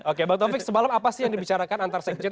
oke bang taufik semalam apa sih yang dibicarakan antar sekjen